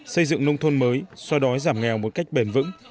xây dựng nông thôn mới xoa đói giảm nghèo một cách bền vững